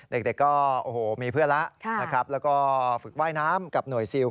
เด็กก็โอ้โหมีเพื่อนแล้วนะครับแล้วก็ฝึกว่ายน้ำกับหน่วยซิล